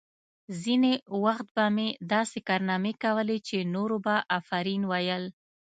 ځینې وخت مې داسې کارنامې کولې چې نورو به آفرین ویل